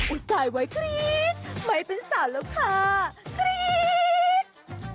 ตายไว้กรี๊ดไม่เป็นสาวแล้วค่ะกรี๊ด